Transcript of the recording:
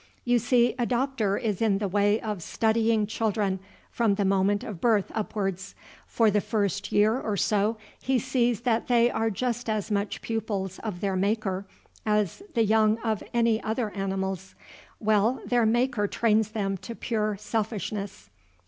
You see, a doctor is in the way of studying children from the moment of birth upwards. For the first year or so he sees that they are just as much pupils of their Maker as the young of any other animals. Well, their Maker trains them to pure selfishness.